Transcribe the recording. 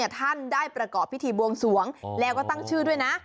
ท่านได้ประกอบพิธีบวงสวงแล้วก็ตั้งชื่อด้วยนะ